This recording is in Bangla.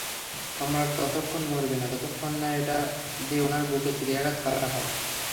সম্রাট ততোক্ষণ মরবে না যতোক্ষণ না এটা দিয়ে উনার বুকে ছুরিকাঘাত করা হয়!